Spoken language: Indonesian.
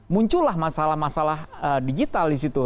muncullah masalah masalah digital di situ